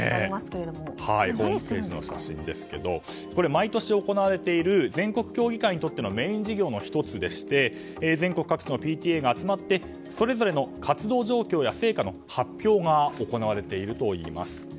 毎年行われている全国協議会にとってのメイン事業の１つでして全国各地のＰＴＡが集まってそれぞれの活動状況や成果の発表が行われているといいます。